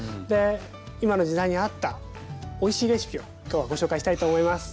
今の時代に合ったおいしいレシピを今日はご紹介したいと思います。